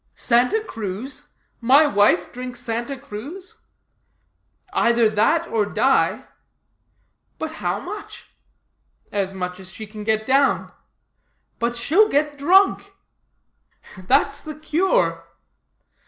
'Santa Cruz? my wife drink Santa Cruz?' 'Either that or die.' 'But how much?' 'As much as she can get down.' 'But she'll get drunk!' 'That's the cure.'